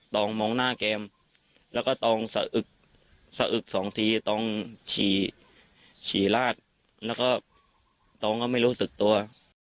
องมองหน้าแกมแล้วก็ตองสะอึกสะอึกสองทีตองฉี่ลาดแล้วก็ตองก็ไม่รู้สึกตัว